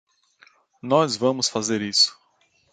Nós vamos fazer isso.